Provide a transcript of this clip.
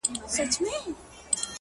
o دغه ساغر هغه ساغر هره ورځ نارې وهي ـ